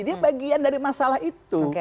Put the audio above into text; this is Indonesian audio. dia bagian dari masalah itu